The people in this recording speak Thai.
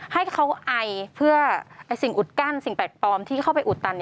ให้เขาไอเพื่อสิ่งอุดกั้นสิ่งแปลกปลอมที่เข้าไปอุดตัน